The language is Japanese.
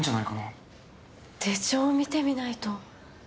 手帳を見てみないと。